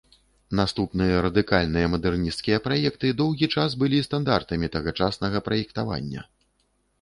Наступныя радыкальныя мадэрнісцкія праекты доўгі час былі стандартамі тагачаснага праектавання.